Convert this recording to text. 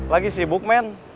lagi sibuk mn